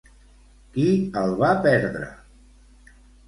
Qui el va perdre?